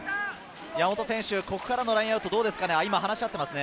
ここからのラインアウトはどうですかね。